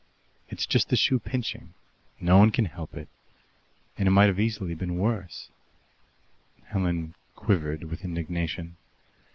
It's just the shoe pinching no one can help it; and it might easily have been worse." Helen quivered with indignation.